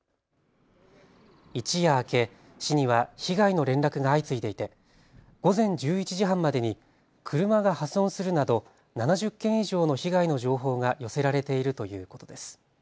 一夜明け、市には被害の連絡が相次いでいて午前１１時半までに車が破損するなど７０件以上の被害の情報が寄せられているということです。